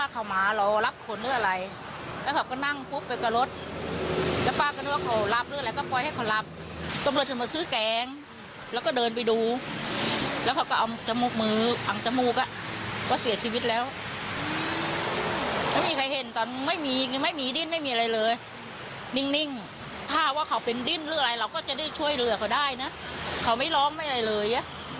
ก็จะได้ช่วยเหลือเขาได้นะเขาไม่ร้อมไว้เลย